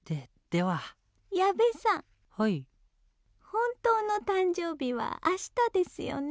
本当の誕生日はあしたですよね？